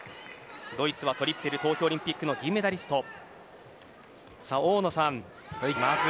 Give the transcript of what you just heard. ドイツはトリッペル東京オリンピックの銀メダリストです。